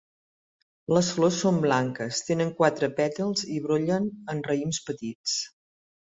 Els flors són blanques, tenen quatre pètals i brollen en raïms petits.